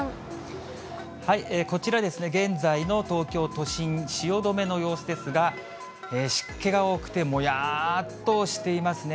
こちらですね、現在の東京都心、汐留の様子ですが、湿気が多くて、もやーっとしていますね。